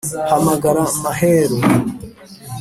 Hamagara Mahero